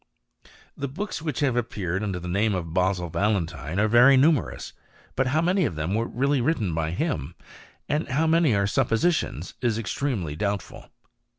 The books which have appeared under the name of Basil Valentine, are very numerous ; but how many of them were really written by him, and how many are supposititious, is extremely doubtful.